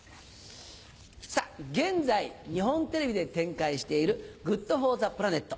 現在日本テレビで展開している「ＧｏｏｄＦｏｒｔｈｅＰｌａｎｅｔ」。